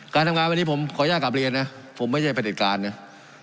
การทำงานวันนี้ผมขอยากกลับเรียนนะข้อไม่ใช่ประเบิดการเนี่ย